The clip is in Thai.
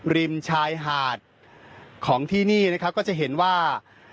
ริมชายหาดของที่นี่นะครับก็จะเห็นว่า